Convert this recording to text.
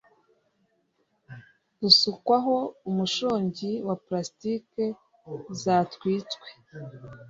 gusukwaho umushongi wa plastic zatwitswe